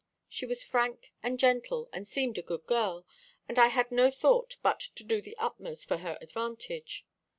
She was frank and gentle, and seemed a good girl, and I had no thought but to do the utmost for her advantage.